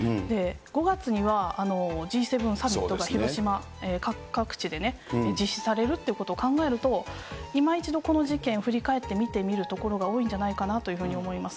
５月にはＧ７サミットが広島各地で実施されるということを考えると、いま一度、この事件、振り返って見てみる所が多いんじゃないかなというふうに思います。